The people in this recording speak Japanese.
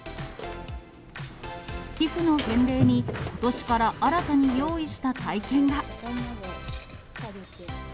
寄付の返礼に、ことしから新たに用意した体験が。